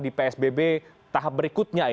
di psbb tahap berikutnya